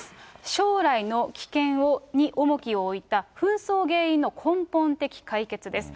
将来の危険に重きを置いた、紛争原因の根本的解決です。